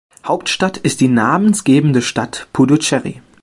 Hauptstadt ist die namensgebende Stadt Puducherry.